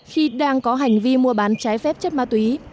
khi đang có hành vi mua bán trái phép chất ma túy